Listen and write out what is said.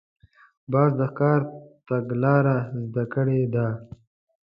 باز د ښکار تګلاره زده کړې ده